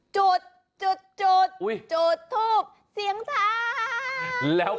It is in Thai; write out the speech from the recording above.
จุดจุดทุบเสียงทาน